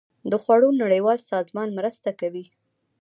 د خوړو نړیوال سازمان مرسته کوي.